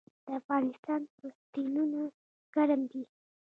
د افغانستان پوستینونه ګرم دي